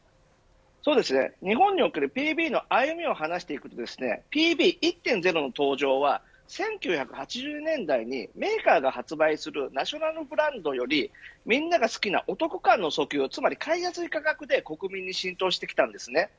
そうですね、日本におけるＰＢの歩みを話していくとＰＢ１．０の登場は１９８０年代にメーカーが発売するナショナルブランドよりみんなが好きな、お得感の訴求つまり買いやすい価格で国民に浸透してきたんですね。